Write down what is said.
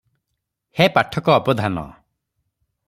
ହେ ପାଠକ ଅବଧାନ!